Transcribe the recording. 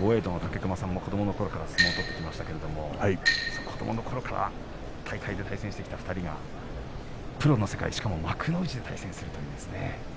豪栄道の武隈さんも子どものころから相撲を取ってきましたけれども、子どものころから大会で対戦してきた２人がプロの世界、しかも幕内で対戦するという。